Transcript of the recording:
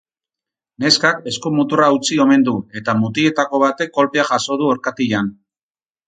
Neskak eskumuturra hautsi omen du, eta mutiletako batek kolpea jaso du orkatilan.